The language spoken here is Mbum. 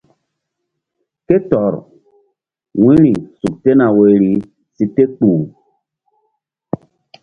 Ké tɔr wu̧yri suk tena woyri si te kpuh.